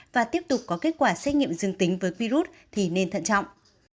và tiếp tục có kết quả xét nghiệm dương tính với virus thì nên thận trọng